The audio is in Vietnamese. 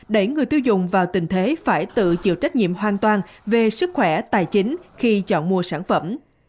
đẩy người tiêu dùng vào tình thế phải tự chịu trách nhiệm hoàn toàn về sức khỏe tài chính khi chọn mua sản phẩm